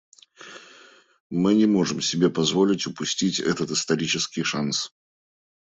Мы не можем себе позволить упустить этот исторический шанс.